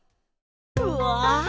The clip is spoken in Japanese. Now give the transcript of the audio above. うわ！